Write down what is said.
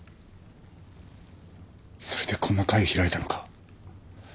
それでこんな会開いたのか？